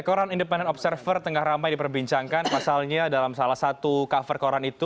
koran independent observer tengah ramai diperbincangkan pasalnya dalam salah satu cover koran itu